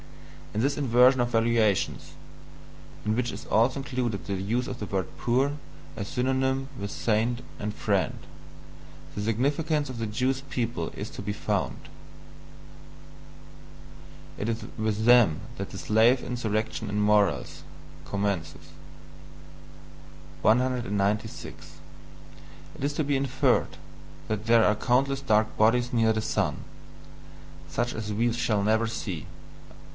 In this inversion of valuations (in which is also included the use of the word "poor" as synonymous with "saint" and "friend") the significance of the Jewish people is to be found; it is with THEM that the SLAVE INSURRECTION IN MORALS commences. 196. It is to be INFERRED that there are countless dark bodies near the sun such as we shall never see.